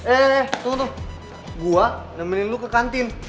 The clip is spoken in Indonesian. eh tunggu tunggu gue nemenin lo ke kantin